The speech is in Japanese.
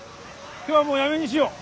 今日はもうやめにしよう。